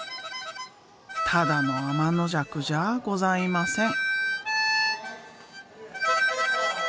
ただのあまのじゃくじゃあございません。